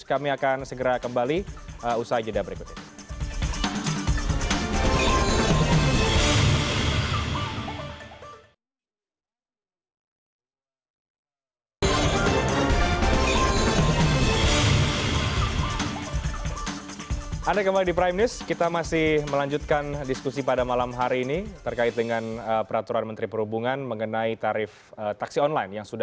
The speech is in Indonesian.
kami akan segera kembali usai jeda berikutnya